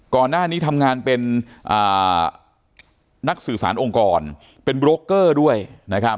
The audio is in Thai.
ก่อนหน้านี้ทำงานเป็นนักสื่อสารองค์กรเป็นโบรกเกอร์ด้วยนะครับ